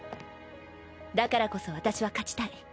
だからこそ私は勝ちたい。